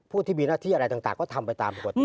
ที่มีหน้าที่อะไรต่างก็ทำไปตามปกติ